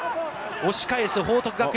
押し返す報徳学園。